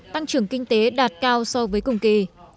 tăng trưởng kinh tế đạt cao so với cùng kỳ